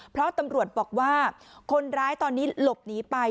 เพราะตำรวจบอกว่าคนร้ายตอนนี้หลบหนีไป